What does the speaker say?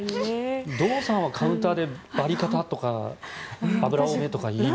堂さんはカウンターでばりかたとか脂多めとか言います？